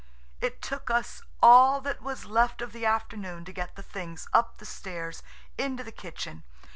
It took us all that was left of the afternoon to get the things up the stairs into the kitchen.